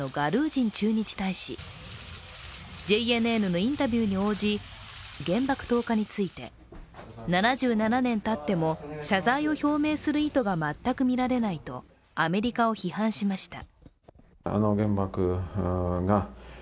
ＪＮＮのインタビューに応じ原爆投下について７７年たっても、謝罪を表明する意図が全く見られないとアメリカを批判しました。